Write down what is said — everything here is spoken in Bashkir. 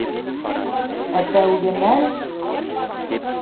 Ә тәүге мәл...